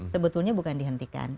sebetulnya bukan dihentikan